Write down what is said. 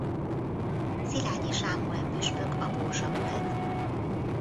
Szilágyi Sámuel püspök apósa volt.